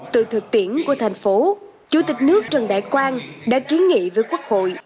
từ thực tiễn của thành phố chủ tịch nước trần đại quang đã kiến nghị với quốc hội